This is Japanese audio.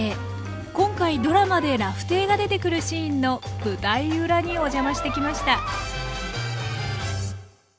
今回ドラマで「ラフテー」が出てくるシーンの舞台裏にお邪魔してきました